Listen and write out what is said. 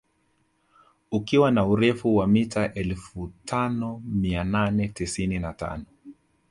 Ukiwa na urefu wa mita Elfu tano mia nane tisini na tano